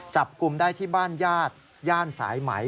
จับกลุ่มได้ที่บ้านญาติย่านสายไหม